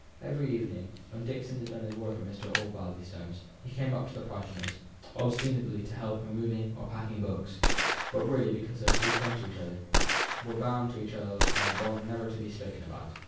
Every evening, when Dixon had done his work at Mr. Osbaldistone's, he came up to the Parsonage, ostensibly to help her in moving or packing books, but really because these two clung to each other were bound to each other by a bond never to be spoken about.